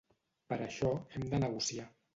Per això hem de negociar.